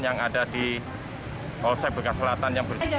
yang ada di polsek bekas selatan